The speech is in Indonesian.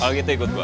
kalau gitu ikut gue